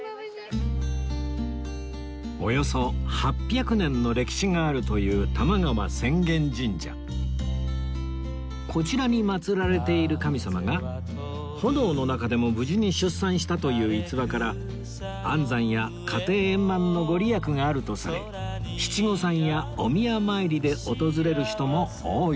およそ８００年の歴史があるというこちらに祀られている神様が炎の中でも無事に出産したという逸話から安産や家庭円満の御利益があるとされ七五三やお宮参りで訪れる人も多いそうです